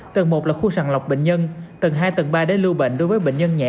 tầng một là khu sàng lọc bệnh nhân tầng hai tầng ba để lưu bệnh đối với bệnh nhân nhẹ